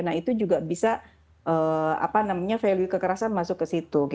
nah itu juga bisa value kekerasan masuk ke situ